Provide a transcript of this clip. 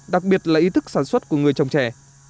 đặc biệt là ý thức sản xuất của người trồng trẻ